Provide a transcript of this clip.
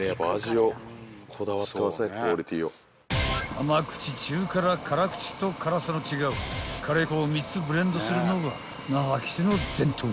［甘口中辛辛口と辛さの違うカレー粉を３つブレンドするのが］